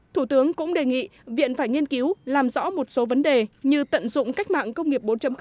thủ tướng cũng đề nghị viện phải nghiên cứu làm rõ một số vấn đề như tận dụng cách mạng công nghiệp bốn